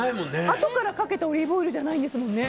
あとからかけたオリーブオイルじゃないんですもんね。